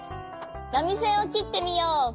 なみせんをきってみよう。